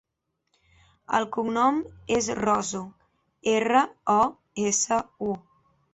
El cognom és Rosu: erra, o, essa, u.